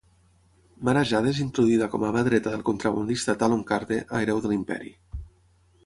Mara Jade és introduïda com a mà dreta del contrabandista Talon Karrde a "Hereu de l'Imperi".